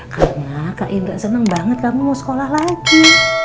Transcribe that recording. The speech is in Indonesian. karena kak indra seneng banget kamu mau sekolah lagi